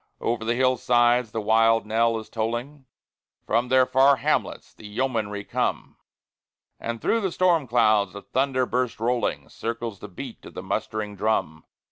Over the hillsides the wild knell is tolling, From their far hamlets the yeomanry come; As through the storm clouds the thunder burst rolling, Circles the beat of the mustering drum.